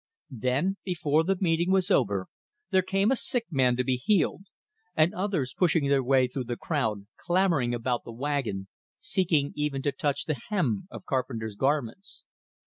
Then, before the meeting was over, there came a sick man to be healed; and others, pushing their way through the crowd, clamoring about the wagon, seeking even to touch the hem of Carpenter's garments.